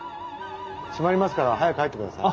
閉まりますから早く入ってください。